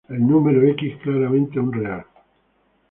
El número "x" es claramente un real.